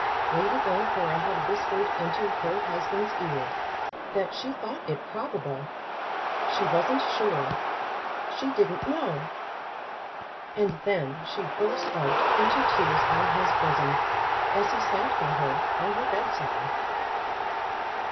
Lady Glencora had whispered into her husband's ear that she thought it probable ; she wasn't sure; she didn't know. And then she burst out into tears on his bosom as he sat by her on her bedside.